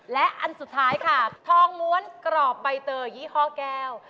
และอันสุดท้ายค่ะทองม้วนกรอบใบเตยยี่ห้อแก้ว